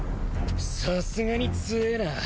さすがに強えな。